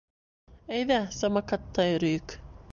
— Әйҙә, самокатта йөрөйөк.